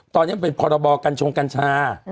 ตอนนี้มันเป็นพรบกัญชงกัญชา